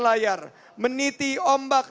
layar meniti ombak